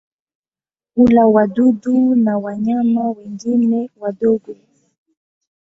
Hula wadudu na wanyama wengine wadogo.